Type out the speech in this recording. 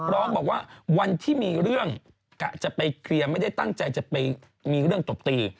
ร้องบอกว่าวันที่มีเรื่องกะจะไปเคลียร์ไม่ได้ตั้งใจจะไปมีเรื่องตบตี